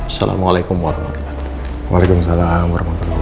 assalamualaikum warahmatullahi wabarakatuh